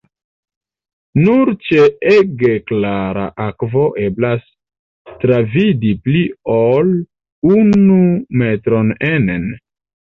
Nur ĉe ege klara akvo eblas travidi pli ol unu metron enen.